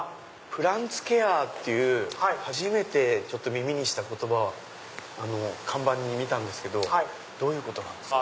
プランツケアっていう初めて耳にした言葉を看板で見たんですけどどういうことなんですか？